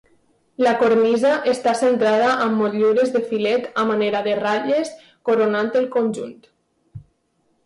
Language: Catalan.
La cornisa està centrada amb motllures de filet a manera de ratlles coronant el conjunt.